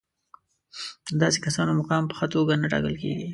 د داسې کسانو مقام په ښه توګه نه ټاکل کېږي.